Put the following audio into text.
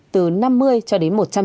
của chính phủ